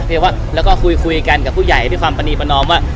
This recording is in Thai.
ว่าแล้วก็คุยกันกับผู้ใหญ่ด้วยความประนีประนอมว่า